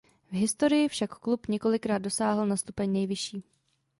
V historii však klub několikrát dosáhl na stupeň nejvyšší.